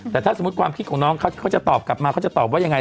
แต่ถ้าสมมุติความคิดของน้องเขาที่เขาจะตอบกลับมาเขาจะตอบว่ายังไง